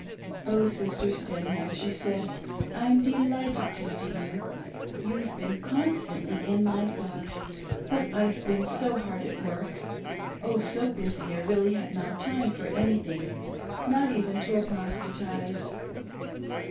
"Oh, Sister Stenhouse;' she said, "I'm delighted to see you !' You've been constantly in my thoughts, but I've been so hard 59^ TOO BUSY TO APOSTATISE. at work — Oh, so busy, that I really had not time for anything — not even to apostatise."